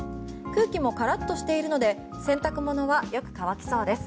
空気もカラッとしているので洗濯物はよく乾きそうです。